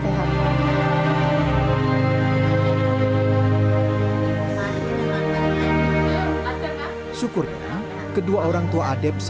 malah astaga ini masih masih sangat sangat enak buat biverse